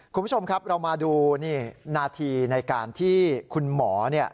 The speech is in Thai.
คุณผู้ชมครับเรามาดูนี่นาทีในการที่คุณหมอเนี่ย